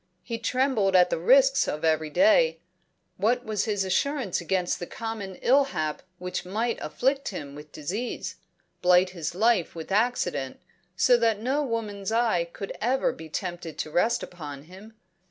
He trembled at the risks of every day; what was his assurance against the common ill hap which might afflict him with disease, blight his life with accident, so that no woman's eye could ever be tempted to rest upon him?